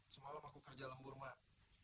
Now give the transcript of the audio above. semalam aku kerja lembur mak